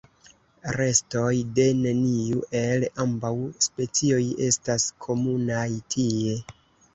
Restoj de neniu el ambaŭ specioj estas komunaj tie.